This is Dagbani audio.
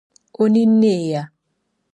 O nini neeya.